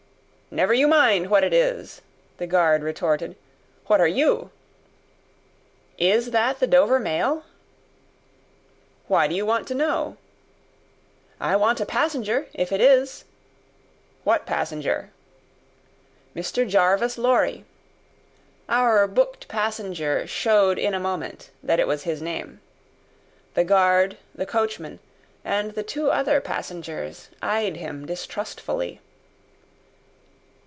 "Never you mind what it is!" the guard retorted. "What are you?" "Is that the Dover mail?" "Why do you want to know?" "I want a passenger, if it is." "What passenger?" "Mr. Jarvis Lorry." Our booked passenger showed in a moment that it was his name. The guard, the coachman, and the two other passengers eyed him distrustfully.